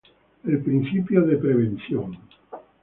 El "Principio de Prevención".